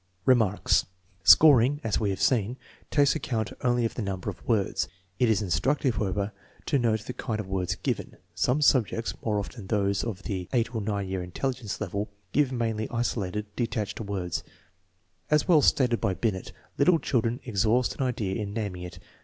Remarks. Scoring, as we have seen, takes account only of the number of words. It is instructive, however, to note the kind of words given. Some subjects, more often those of the 8 or 9 year intelligence level, give mainly isolated, detached words. As well stated by Binet, " Little children exhaust an idea in naming it.